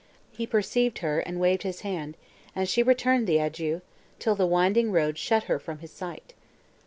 Her perceived her, and waved his hand; and she returned the adieu, till the winding road shut her from his sight.